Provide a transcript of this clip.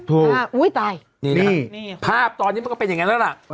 อุ้ยตายนี่แหละภาพตอนนี้มันก็เป็นอย่างนั้นแล้วล่ะ